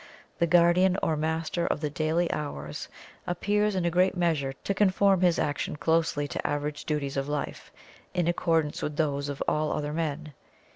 The Guardian or Master of the daily hours, appears in a great measure to conform his action closely to average duties of life, in accordance with those of all other men.